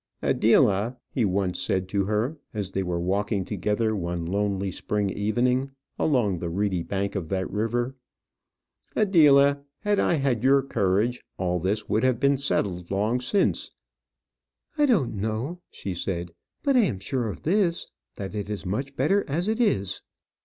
"Adela," he once said to her, as they were walking together, one lonely spring evening, along the reedy bank of that river, "Adela, had I had your courage, all this would have been settled long since." "I don't know," she said; "but I am sure of this, that it is much better as it is.